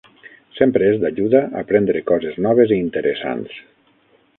Sempre és d'ajuda aprendre coses noves i interessants.